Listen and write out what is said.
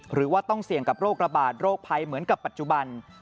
หรือว่าต้องเสี่ยงกับโรคระบาดโรคภัยเหมือนกับปัจจุบัน